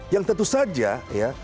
yang tentu saja ya